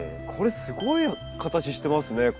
これすごい形してますね。